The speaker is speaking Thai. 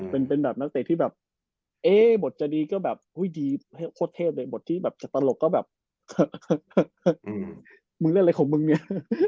เป็นแบบนักเตะที่แบบเอ๊ะบทจะดีก็แบบดีโคตรเทพเลยบทที่แบบจากตลกก็แบบมึงเล่นอะไรของมึงเนี่ย